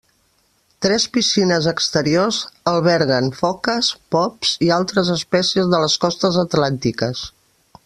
Tres piscines exteriors alberguen foques, pops i altres espècies de les costes atlàntiques.